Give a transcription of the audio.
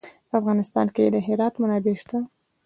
په افغانستان کې د هرات منابع شته.